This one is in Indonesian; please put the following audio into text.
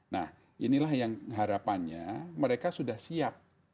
nah inilah yang harapannya mereka sudah siap